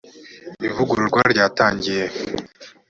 ivugururwa ryatangiye.